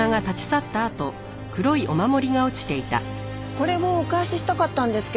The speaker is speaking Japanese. これもお返ししたかったんですけど